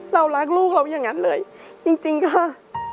เรารักลูกเขาอย่างนั้นเลยจริงค่ะ